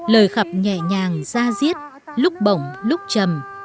lời khập nhẹ nhàng ra diết lúc bỏng lúc chầm